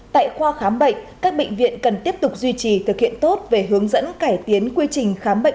tại khoa khám bệnh các bệnh viện cần tiếp tục duy trì thực hiện tốt về hướng dẫn cải tiến quy trình khám bệnh